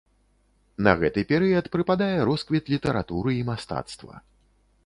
На гэты перыяд прыпадае росквіт літаратуры і мастацтва.